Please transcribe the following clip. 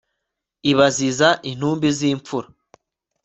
ibaziza intumbi z'impfura